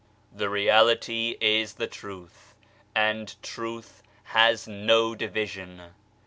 The Reality is the Truth, and Truth has no division.